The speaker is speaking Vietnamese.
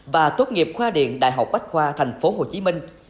và tốt nghiệp khoa điện đại học bách khoa thành phố hồ chí minh